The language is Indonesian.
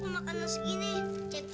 makanan segini cep